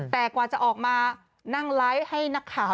แต่กว่าจะออกมานั่งไลฟ์ให้นักข่าว